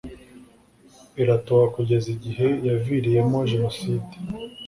iratoha kugeza igihe yaviriyemo jenoside